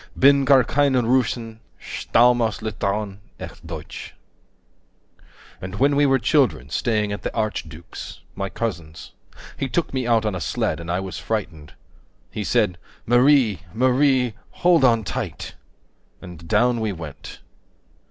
Bin gar keine Russin, stamm' aus Litauen, echt deutsch. And when we were children, staying at the archduke's, My cousin's, he took me out on a sled, And I was frightened. He said, Marie, 15 Marie, hold on tight. And down we went.